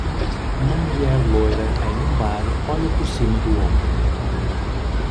Uma mulher loira em um bar olha por cima do ombro.